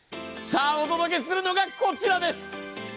さあお届けするのがこちらです！